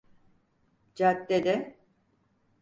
Caddede…